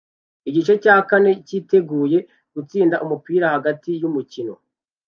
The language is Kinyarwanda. Igice cya kane cyiteguye gutsinda umupira hagati yumukino